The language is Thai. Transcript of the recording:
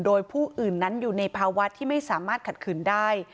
โดยผู้อื่นนั้นอยู่ในภาวะที่ไม่สามารถขัดขืนได้